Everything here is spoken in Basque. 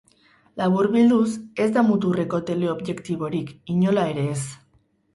Laburbilduz, ez da muturreko teleobjektiborik, inola ere ez.